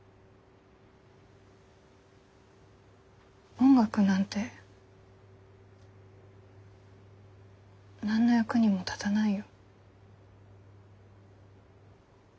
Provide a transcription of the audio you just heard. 音楽なんて何の役にも立たないよ。